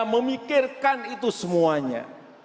memikirkan itu semuanya